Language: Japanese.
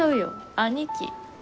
兄貴。